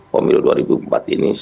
pemilu dua ribu empat ini